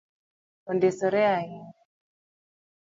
Ondisore ahinya